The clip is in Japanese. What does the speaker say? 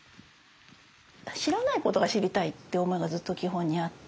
知らないことが知りたいって思いがずっと基本にあって